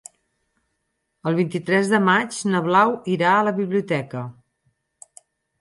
El vint-i-tres de maig na Blau irà a la biblioteca.